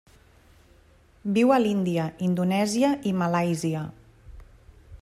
Viu a l'Índia, Indonèsia i Malàisia.